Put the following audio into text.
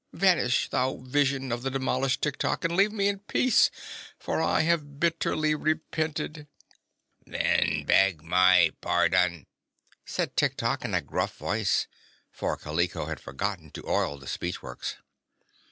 Vanish, thou Vision of the demolished Tiktok, and leave me in peace for I have bitterly repented!" "Then beg my pardon," said Tiktok in a gruff voice, for Kaliko had forgotten to oil the speech works.